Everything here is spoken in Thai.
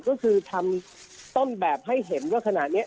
ก็คือทำต้นแบบให้เห็นว่าขณะนี้